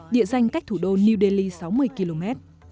địa danh cách thủ đô new delhi sáu mươi km